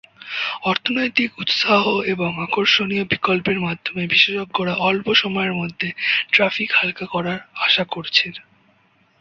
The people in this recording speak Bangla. অর্থনৈতিক উত্সাহ এবং আকর্ষণীয় বিকল্পের মাধ্যমে বিশেষজ্ঞরা অল্প সময়ের মধ্যে ট্র্যাফিক হালকা করার আশা করছেন।